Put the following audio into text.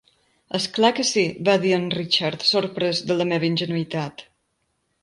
"És clar que sí", va dir en Richard, sorprès de la meva ingenuïtat.